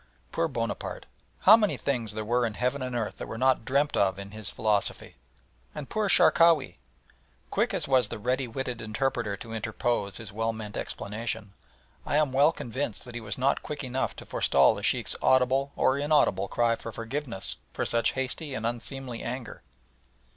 Poor Bonaparte! How many things there were in heaven and earth that were not dreamt of in his philosophy! And poor Sharkawi! Quick as was the ready witted interpreter to interpose his well meant explanation, I am well convinced that he was not quick enough to forestall the Sheikh's audible or inaudible cry for forgiveness for such hasty and unseemly anger.